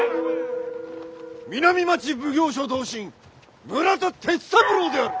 南町奉行所同心村田銕三郎である！